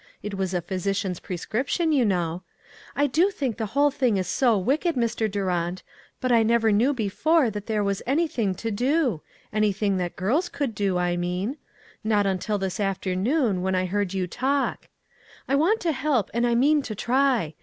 It was a physician's prescription, you know. I do think the whole thing is so wicked, Mr. Dtirant, but I never knew be fore that there was anything to do — any thing that girls could do, I mean — not un til this afternoon, when I heard you talk. I3O ONE COMMONPLACE DAY. I want to help and I mean to try.